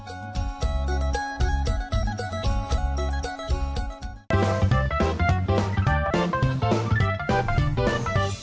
โปรดติดตามตอนต่อไป